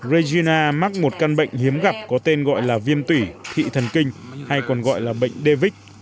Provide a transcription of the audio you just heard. rajina mắc một căn bệnh hiếm gặp có tên gọi là viêm tủy thị thần kinh hay còn gọi là bệnh davic